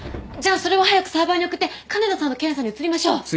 じゃあそれを早くサーバーに送って金田さんの検査に移りましょう。